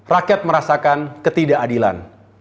rakyat merasakan ketidakadilan